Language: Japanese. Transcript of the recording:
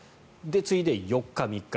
次いで４日、３日。